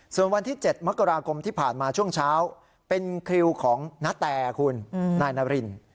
ส่วนวันที่๗มกราคมที่ผ่านมาช่วงเช้าเป็นคิวของนาแตคุณนายนาริน